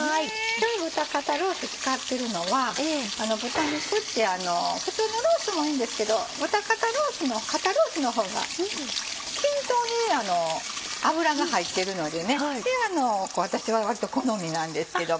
今日豚肩ロース使ってるのは豚肉って普通のロースもいいんですけど豚肩ロースの肩ロースの方が均等に脂が入ってるので私は割と好みなんですけども。